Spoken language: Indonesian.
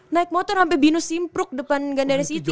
naik motor sampe binus simpruk depan gandara city